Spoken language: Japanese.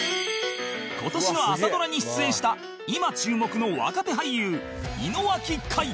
今年の朝ドラに出演した今注目の若手俳優井之脇海